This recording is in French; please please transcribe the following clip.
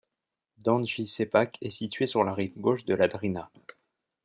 Donji Šepak est situé sur la rive gauche de la Drina.